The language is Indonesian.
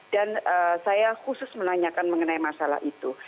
dan saya khusus menanyakan mengenai masalah itu